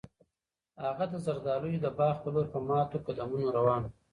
هغه د زردالیو د باغ په لور په ماتو قدمونو روان و.